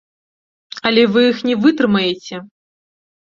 Але вы іх не вытрымаеце.